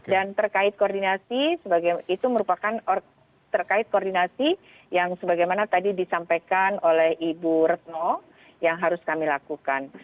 dan terkait koordinasi itu merupakan terkait koordinasi yang sebagaimana tadi disampaikan oleh ibu retno yang harus kami lakukan